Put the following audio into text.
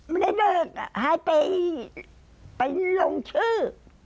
ไม่ได้เลิกให้ไปลงชื่อ